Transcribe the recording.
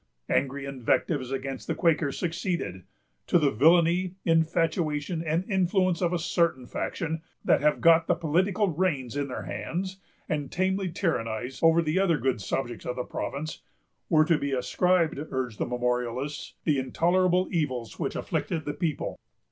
Angry invectives against the Quakers succeeded. To the "villany, infatuation, and influence of a certain faction, that have got the political reins in their hands, and tamely tyrannize over the other good subjects of the province," were to be ascribed, urged the memorialists, the intolerable evils which afflicted the people.